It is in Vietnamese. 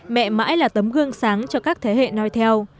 mẹ mãi là tấm gương sáng cho các thế hệ nói theo